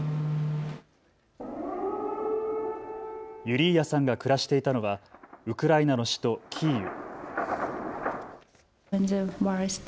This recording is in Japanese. ユリーアさんが暮らしていたのはウクライナの首都キーウ。